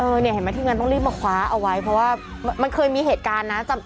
เนี่ยเห็นไหมทีมงานต้องรีบมาคว้าเอาไว้เพราะว่ามันเคยมีเหตุการณ์นะ